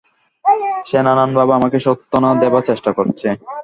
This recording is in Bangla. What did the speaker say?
সেনানানভাবে আমাকে সত্ত্বনা দেবার চেষ্টা করছে।